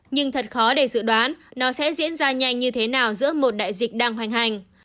nhưng thật khó để dự đoán nó sẽ diễn ra nhanh như thế nào giữa một đại dịch đang hoành hành